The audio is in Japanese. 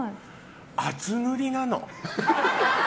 厚塗りなの。